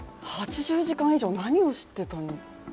８０時間以上何をしてた？